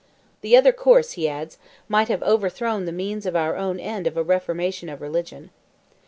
"The other course," he adds, "might have overthrown the means of our own end of a reformation of religion."